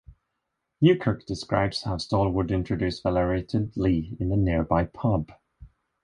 Newkirk describes how Stallwood introduced Valerie to Lee in a nearby pub.